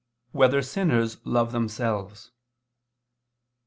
7] Whether Sinners Love Themselves?